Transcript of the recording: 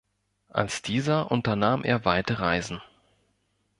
Als dieser unternahm er weite Reisen.